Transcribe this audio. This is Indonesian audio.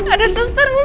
ada suster mumpet